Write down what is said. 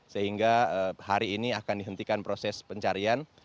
sehingga hari ini akan dihentikan proses pencarian